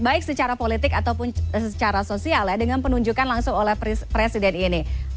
baik secara politik ataupun secara sosial ya dengan penunjukan langsung oleh presiden ini